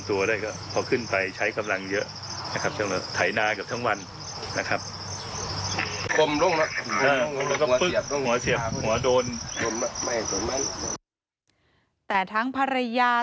แต่ทั้งภรรยา